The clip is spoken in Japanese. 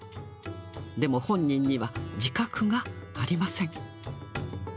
でも本人には自覚がありません。